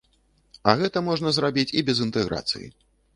А гэта можна зрабіць і без інтэграцыі.